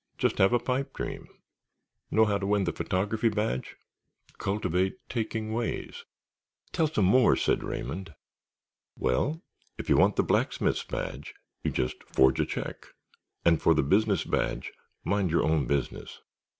Just have a pipe dream. Know how to win the Photography Badge? Cultivate taking ways." "Tell some more," said Raymond. "Well, if you want the Blacksmith's Badge, you just forge a check, and for the Business Badge, mind your own business."